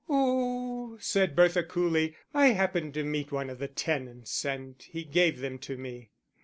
"Oh," said Bertha coolly, "I happened to meet one of the tenants and he gave them to me."